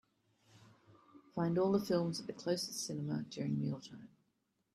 Find all the films at the closestcinema during meal time.